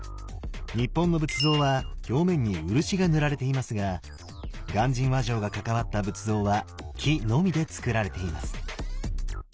日本の仏像は表面に漆が塗られていますが鑑真和上が関わった仏像は木のみでつくられています。